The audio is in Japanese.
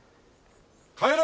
帰れ！